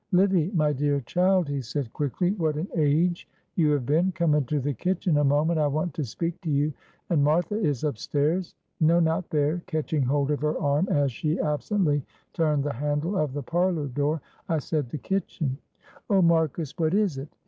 "Livy, my dear child," he said, quickly, "what an age you have been! Come into the kitchen a moment, I want to speak to you, and Martha is upstairs. No, not there," catching hold of her arm as she absently turned the handle of the parlour door. "I said the kitchen." "Oh, Marcus, what is it?"